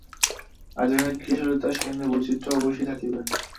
আর যেখানে ক্রিয়াশীলতা, সেখানে বৈচিত্র্য অবশ্যই থাকিবে।